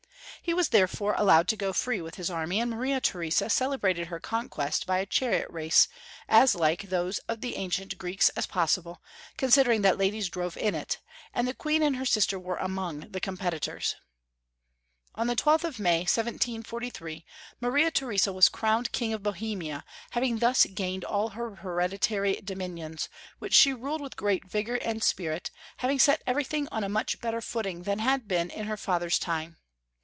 He was therefore allowed to go free with his army, a,nd Maria Theresa celebrated her conquest Karl Vn. 399 by a chariot race, as like those of the ancient Greeks as possible, considering that ladies drove in it, and the Queen and her sister were among the competitors. On the 12th of May, 1743, Maria Theresa was crowned Queen of Bohemia, having thus gained all her hereditary dominions, which she ruled with great vigor and spirit, having set everything on a much better footing than had been in her father's time.